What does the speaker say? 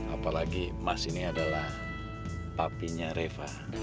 apalagi emas ini adalah papinya reva